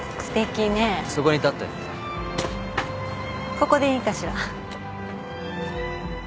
ここでいいかしら？